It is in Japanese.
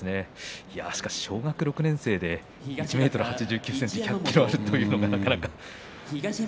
しかし小学６年生で１ｍ８９ｃｍ、１００ｋｇあるというのは、なかなか。